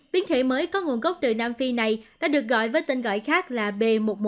biến thể mới có nguồn gốc từ nam phi này đã được gọi với tên gọi khác là b một một năm trăm hai mươi chín